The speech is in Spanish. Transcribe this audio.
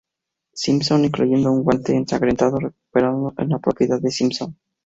Simpson, incluyendo un guante ensangrentado recuperado en la propiedad de Simpson.